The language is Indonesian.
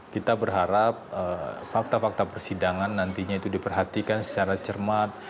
kita berharap fakta fakta persidangan nantinya itu diperhatikan secara cermat